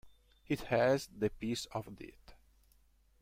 It has the peace of death.